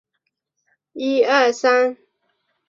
德国教堂是位于瑞典斯德哥尔摩老城的一座教堂。